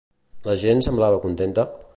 La gent semblava contenta?